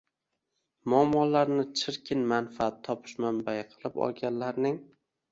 muammolarni chirkin manfaat topish manbai qilib olganlarning